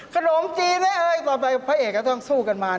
ขนมจีนให้เอ้ยต่อไปพระเอกก็ต้องสู้กันมา